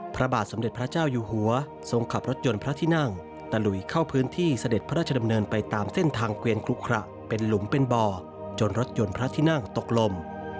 พระบาทสมเด็จพระเจ้าอยู่หัวทรงขับรถยนต์พระที่นั่งตะลุยเข้าพื้นที่เสด็จพระราชดำเนินไปตามเส้นทางเกวียนคลุขระเป็นหลุมเป็นบ่อจนรถยนต์พระที่นั่งตกลม